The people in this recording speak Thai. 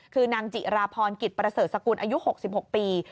คือนางจิราพรกิจประเสริฐสกุลอายุ๖๖ปี